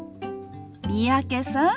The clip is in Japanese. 三宅さん。